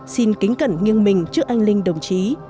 xin kính cẩn nghiêng mình trước anh linh đồng chí